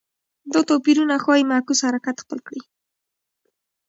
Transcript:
دا توپیرونه ښايي معکوس حرکت خپل کړي